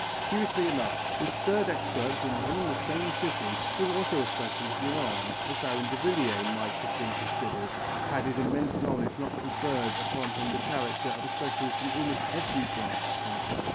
Curiously enough, this third expert from one and the same city was also a specialist in arms, as Baron Davillier might have been considered, had his immense knowledge not conferred upon him the character of a specialist in almost every branch of connoisseurship.